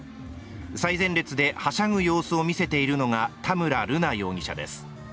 最前列ではしゃぐ様子を見せているのが田村瑠奈容疑者です。